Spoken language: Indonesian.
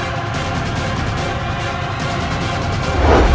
aku akan terus memburumu